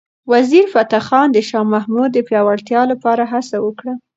وزیرفتح خان د شاه محمود د پیاوړتیا لپاره هڅه وکړه.